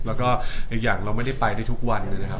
แล้วก็อีกอย่างเราไม่ได้ไปได้ทุกวันเลยนะครับ